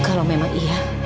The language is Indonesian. kalau memang iya